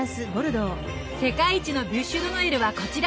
世界一のビュッシュ・ド・ノエルはこちら！